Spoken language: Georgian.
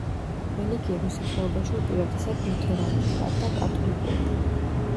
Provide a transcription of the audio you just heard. რელიგია მოსახლეობაში უპირატესად ლუთერანული და კათოლიკურია.